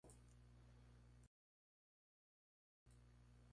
Actualmente realiza giras por Canadá.